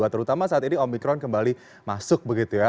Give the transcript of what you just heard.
terutama saat ini omikron kembali masuk begitu ya